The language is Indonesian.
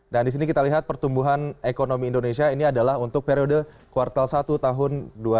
dan di sini kita lihat pertumbuhan ekonomi indonesia ini adalah untuk periode kuartal satu tahun dua ribu delapan belas